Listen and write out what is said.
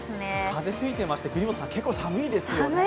風が吹いていまして、結構寒いですよね。